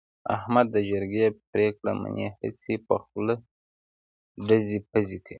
احمد د جرگې پرېکړه مني، هسې په خوله ټزې پزې کوي.